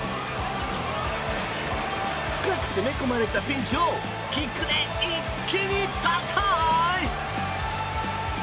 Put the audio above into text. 深く攻め込まれたピンチをキックで一気に打開。